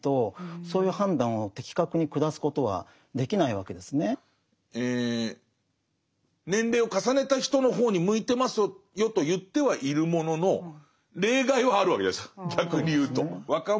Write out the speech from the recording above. そうすると年齢を重ねた人の方に向いてますよと言ってはいるものの例外はあるわけじゃないですか